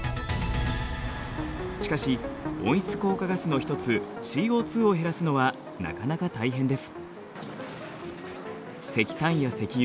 しかし温室効果ガスの一つＣＯを減らすのはなかなか大変です。